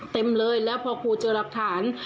เต็มเลยแล้วพอครูเจอหลักฐาน